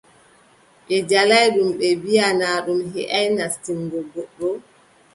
Ɓe njaalaay ɗum ɓe mbiʼa naa ɗum heʼaay nastingo goɗɗo.